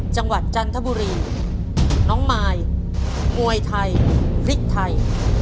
จันทบุรีน้องมายมวยไทยพริกไทย